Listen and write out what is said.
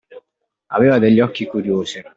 Aveva degli occhi curiosi.